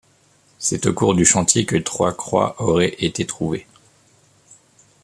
C'est au cours du chantier que trois croix auraient été trouvées.